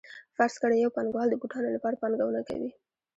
فرض کړئ یو پانګوال د بوټانو لپاره پانګونه کوي